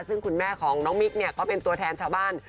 ซึ่งคุณแม่ของน้องมิ๊กเนี่ยก็เป็นตัวแทนชาวบ้าน